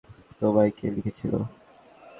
তুমি কি জানো রাজ চিঠিগুলো তোমায়, কে লিখেছিল?